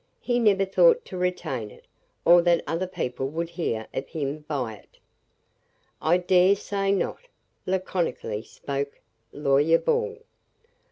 He never thought to retain it, or that other people would hear of him by it." "I dare say not," laconically spoke Lawyer Ball.